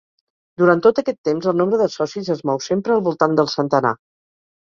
Durant tot aquest temps el nombre de socis es mou sempre al voltant del centenar.